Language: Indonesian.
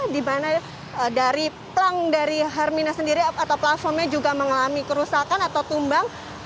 di mana dari plang dari hermina sendiri atau platformnya juga mengalami kerusakan atau tumbang